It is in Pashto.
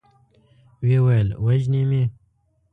ويې ويل: وژني مې؟